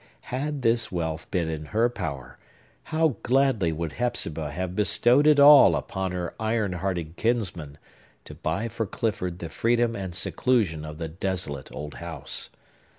Had this wealth been in her power, how gladly would Hepzibah have bestowed it all upon her iron hearted kinsman, to buy for Clifford the freedom and seclusion of the desolate old house!